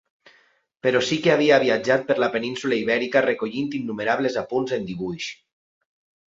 Però sí que havia viatjat per la península Ibèrica recollint innumerables apunts en dibuix.